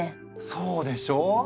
そうでしょう？